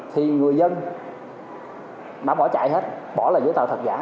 thì người dân đã bỏ chạy hết bỏ là giấy tờ thật giả